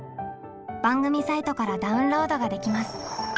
番組サイトからダウンロードができます。